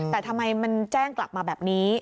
แต่ทำไมมันแจ้งกลับมาแบบนี้